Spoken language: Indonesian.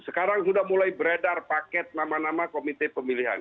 sekarang sudah mulai beredar paket nama nama komite pemilihan